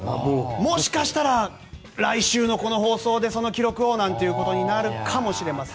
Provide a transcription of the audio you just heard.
もしかしたら、来週の放送でその記録をということになるかもしれません。